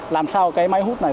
làm sao máy hút này có thể xảy ra